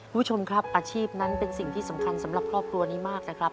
คุณผู้ชมครับอาชีพนั้นเป็นสิ่งที่สำคัญสำหรับครอบครัวนี้มากนะครับ